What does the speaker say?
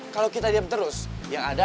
kalo kita diem terus yang ada adalah